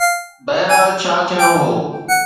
بهرحال، ڇا ٿيڻو هو.